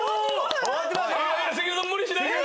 関根さん無理しないでよ。